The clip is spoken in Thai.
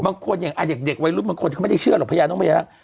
บางคนอย่างเด็กวัยรุ่นบางคนเขาไม่ได้เชื่อหรอกพญาน้องพญานาค